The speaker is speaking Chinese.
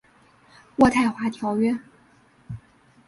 渥太华条约。